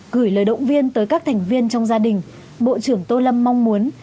gửi lời động viên tới các thành viên trong gia đình bộ trưởng tô lâm mong muốn